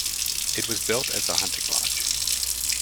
It was built as a hunting lodge.